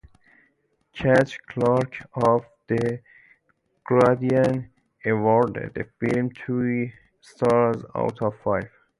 Cath Clarke of "The Guardian" awarded the film two stars out of five.